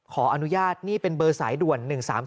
ขออนุญาตนี่เป็นเบอร์สายด่วน๑๓๓